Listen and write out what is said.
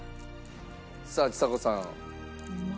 さあちさ子さん。